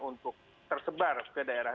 untuk tersebar ke daerah